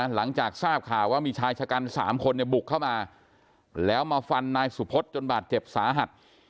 หลังจากทราบข่าวว่ามีชายชะกัน๓คนบุกเข้ามาแล้วมาฟันนายสุพธจนบาดเจ็บสาหัส